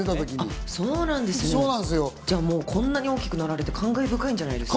こんなに大きくなられて、感慨深いんじゃないですか？